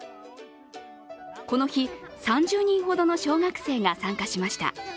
この日、３０名ほどの小学生が参加しました。